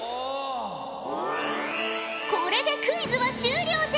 これでクイズは終了じゃ。